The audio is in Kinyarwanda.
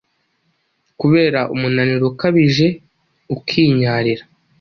kubera umunaniro ukabije ukinyarira